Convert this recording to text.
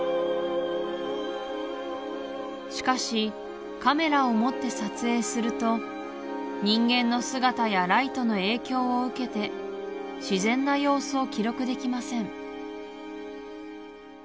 しかしカメラを持って撮影すると人間の姿やライトの影響を受けて自然な様子を記録できません